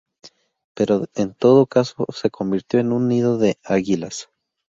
Pero en todo caso se convirtió en un nido de águilas.